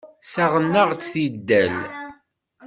Ssaɣen-aɣ-d tidal.